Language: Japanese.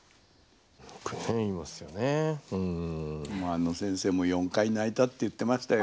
あの先生も４回泣いたって言ってましたよ。